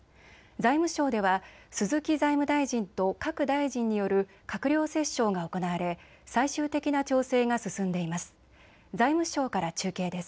財務省では鈴木財務大臣と各大臣による閣僚折衝が行われ最終的な調整が進んでいます。